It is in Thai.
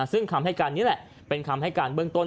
ซึ่งคำให้การนี้แหละเป็นคำให้การเบื้องต้น